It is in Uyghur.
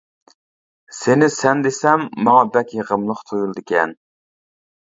سېنى سەن دېسەم ماڭا بەك يېقىملىق تۇيۇلىدىكەن.